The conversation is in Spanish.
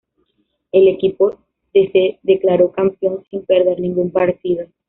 El equipo de se declaró campeón sin perder ningún partido.